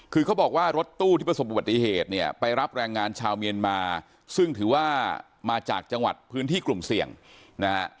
คือเขาบอกว่ารถตู้ที่ประสบอุบัติเหตุเนี่ยไปรับแรงงานชาวเมียนมาซึ่งถือว่ามาจากจังหวัดพื้นที่กลุ่มเสี่ยงนะฮะ